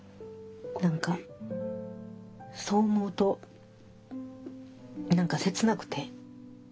何かそう思うと何か切なくて。